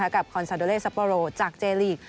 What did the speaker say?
คอนซาโดเลซัปโปโรจากเจลีก